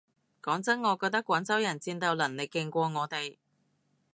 講真我覺得廣州人戰鬥能力勁過我哋